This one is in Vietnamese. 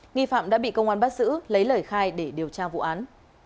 nghi phạm đã bị công an bắt giữ lấy lời khai để điều tra vụ án